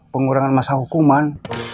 pengurangan masa hukuman